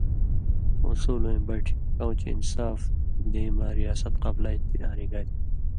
اُصولوَیں بَٹیۡ، کؤں چے انصاف دیں مہ ریاست قبلائ تھی آں رِن٘گائ تھی۔